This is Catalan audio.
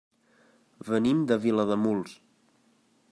Venim de Vilademuls.